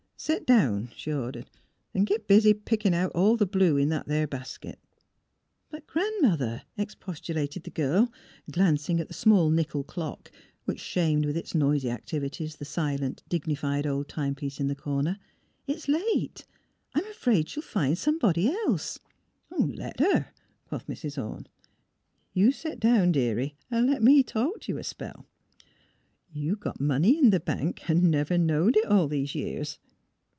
'' Set down," she ordered, "an' git busy pickin' out all the blue in that there basket." " But, Gran 'mother," expostulated the girl, glancing at the small nickel clock which shamed with its noisy activities the silent, dignified old timepiece in the corner. " It's late. I'm afraid she'll find somebody else " ''Let her," quoth Mrs. Orne. " You set down,, deary, an' le' me talk t' you a spell. You got money in the bank, an' never knowed it all these years."